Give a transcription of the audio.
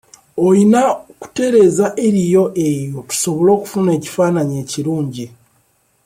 Oyina kutereeza eriyo eyo tusobole okufuna ekifaananyi ekirungi.